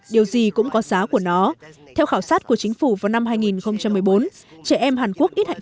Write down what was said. điều gì cũng có giá của nó theo khảo sát của chính phủ vào năm hai nghìn một mươi bốn trẻ em hàn quốc ít hạnh